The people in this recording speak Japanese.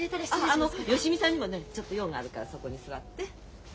あああの芳美さんにもねちょっと用があるからそこに座って。